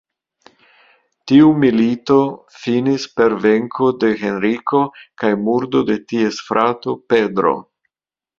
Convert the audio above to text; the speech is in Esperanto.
Tiu milito finis per venko de Henriko kaj murdo de ties frato Pedro.